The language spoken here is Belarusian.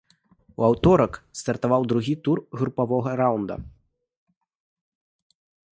У аўторак стартаваў другі тур групавога раўнда.